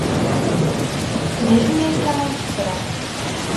D acu akka ay teffreḍ?